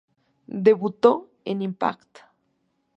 Debutó en Impact!